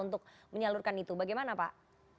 untuk menyalurkan itu bagaimana pak